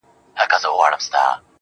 ما يې اوږده غمونه لنډي خوښۍ نه غوښتې~